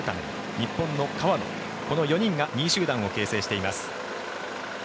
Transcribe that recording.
日本の川野この４人が２位集団を形成しています。